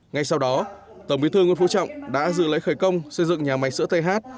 ngay sau đó tổng bí thư nguyễn phú trọng đã dự lễ khởi công xây dựng nhà máy sữa th